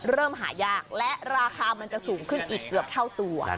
เริ่มหายากและราคามันจะสูงขึ้นอีกเกือบเท่าตัว